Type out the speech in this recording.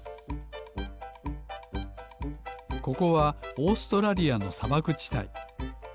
ここはオーストラリアのさばくちたい。